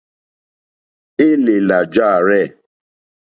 Élèlà jârzɛ̂.